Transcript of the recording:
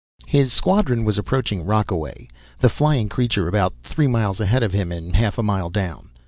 His squadron was approaching Rockaway, the flying creature about three miles ahead of him and half a mile down.